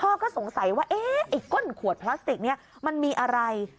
พ่อก็สงสัยว่าเอ๊ะไอ้ก้นขวดพลาสติกนี้มันมีอะไร